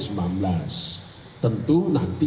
tentu nanti kita akan berhenti